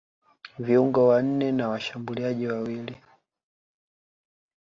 viungo wanne na washambuliaji wawili